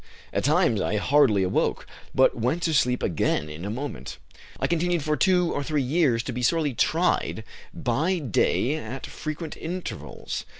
At times I hardly awoke, but went to sleep again in a moment. I continued for two or three years to be sorely tried by day at frequent intervals.